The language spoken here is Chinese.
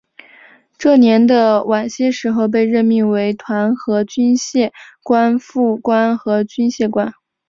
这年的晚些时候被任命为团和军械官副官和军械官。